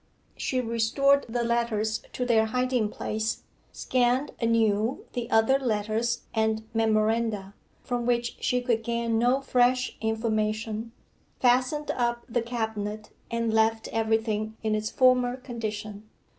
She restored the letters to their hiding place, scanned anew the other letters and memoranda, from which she could gain no fresh information, fastened up the cabinet, and left everything in its former condition.